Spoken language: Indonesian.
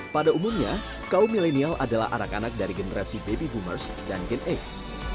pada umumnya kaum milenial adalah anak anak dari generasi baby boomers dan gen x